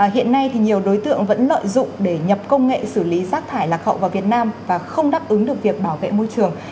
hiện nay thì nhiều đối tượng vẫn lợi dụng để nhập công nghệ xử lý rác thải lạc hậu vào việt nam và không đáp ứng được việc bảo vệ môi trường